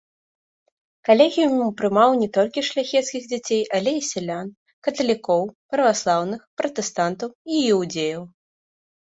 Калегіум прымаў не толькі шляхецкіх дзяцей, але і сялян, каталікоў, праваслаўных, пратэстантаў і іўдзеяў.